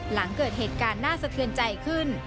หลังเกิดเหตุการณ์น่าสะเทือนใจขึ้น